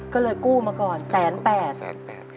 ก็เลยกู้มาก่อนแสนแปด